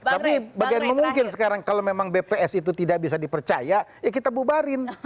tapi bagaimana mungkin sekarang kalau memang bps itu tidak bisa dipercaya ya kita bubarin